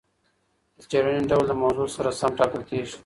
د څېړنې ډول د موضوع سره سم ټاکل کېږي.